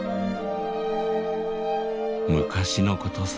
昔のことサ。